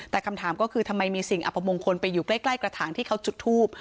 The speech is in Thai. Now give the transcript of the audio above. แต่คำถามก็คือทำไมมีสิ่งอัปมงคลไปอยู่ใกล้กระถางที่เขาจุดทูบ